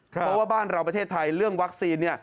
เพราะว่าบ้านเราประเทศไทยเรื่องวัคซีน